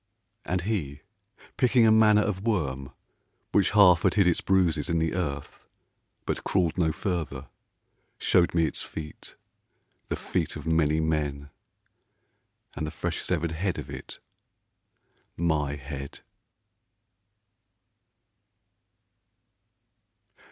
And He, picking a manner of worm, which half had hid Its bruises in the earth, but crawled no further, Showed me its feet, the feet of many men, And the fresh severed head of it, my head.